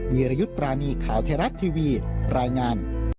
วิรยุทธ์ปรานีข่าวไทยรัฐทีวีรายงาน